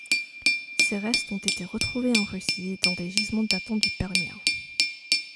Ses restes ont été retrouvés en Russie dans des gisements datant du Permien.